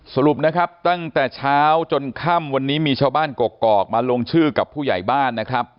สรุปนะครับตั้งแต่เช้าจนค่ำวันนี้มีชาวบ้านกกอกมาลงชื่อกับผู้ใหญ่บ้านนะครับ